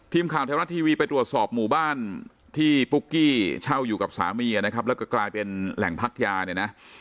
ทีมข่าวไทยรัฐทีวีไปตรวจสอบหมู่บ้านที่ปุ๊กกี้เช่าอยู่กับสามีนะครับแล้วก็กลายเป็นแหล่งพักยาเนี่ยนะ